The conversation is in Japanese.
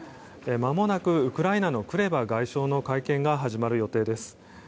まもなくウクライナのクレバ外相の会見が始まる予定です。